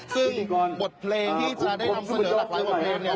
ซึ่งบทเพลงที่จะได้นำเสนอหลากหลายบทเพลงเนี่ย